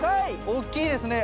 大きいですね。